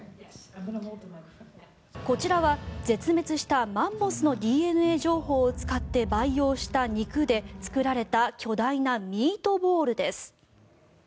こちらは絶滅したマンモスのＤＮＡ情報を使って培養した肉で作られた巨大なミートボールです。